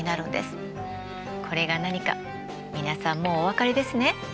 これが何か皆さんもうお分かりですね？